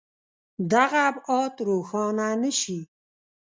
دغه ابعاد روښانه نه شي.